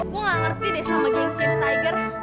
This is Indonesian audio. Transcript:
gue gak ngerti deh sama game cheers tiger